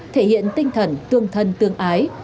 thể hiện tinh thần tương thân tương ái